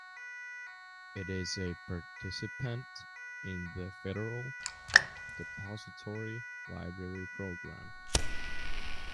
It is a participant in the Federal Depository Library Program.